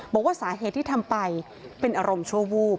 บอกว่าสาเหตุที่ทำไปเป็นอารมณ์ชั่ววูบ